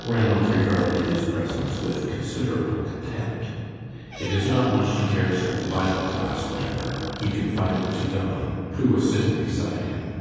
Ranald regarded his presence with considerable contempt. "It is not much he cares for the Bible class, whatever," he confided to Don, who was sitting beside him.